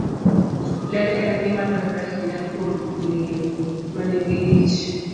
Ler en gima dwarore ahinya kuom miyo ma nigi ich.